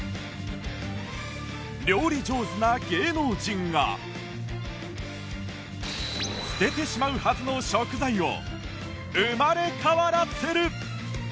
料理上手な芸能人が捨ててしまうはずの食材を生まれ変わらせる！